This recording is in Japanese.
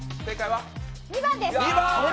２番です。